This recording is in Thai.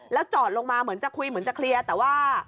แล้วจอดลงมาเหมือนจะคุยเหมือนจะเคลียร์แต่ว่า